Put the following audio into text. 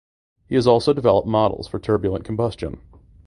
He has also developed models for turbulent combustion.